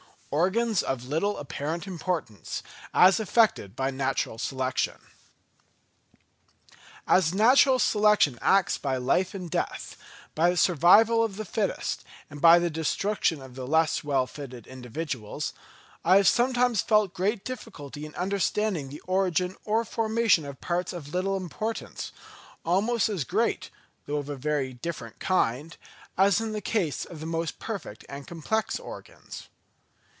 Organs of little apparent Importance, as affected by Natural Selection. As natural selection acts by life and death, by the survival of the fittest, and by the destruction of the less well fitted individuals, I have sometimes felt great difficulty in understanding the origin or formation of parts of little importance; almost as great, though of a very different kind, as in the case of the most perfect and complex organs.